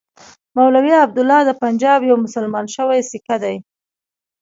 مولوي عبیدالله د پنجاب یو مسلمان شوی سیکه دی.